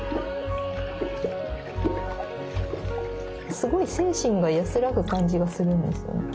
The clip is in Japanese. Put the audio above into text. すごい精神が安らぐ感じがするんですよね。